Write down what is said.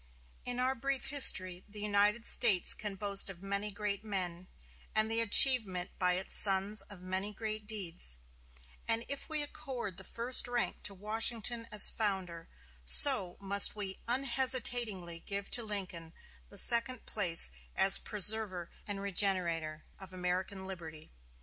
In our brief history the United States can boast of many great men, and the achievement by its sons of many great deeds; and if we accord the first rank to Washington as founder, so we must unhesitatingly give to Lincoln the second place as preserver and regenerator of American liberty.